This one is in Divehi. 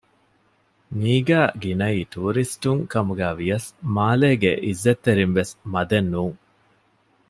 މީގައި ގިނައީ ޓޫރިސްޓުން ކަމުގައި ވިޔަސް މާލޭގެ އިއްޒަތްތެރިންވެސް މަދެއް ނޫން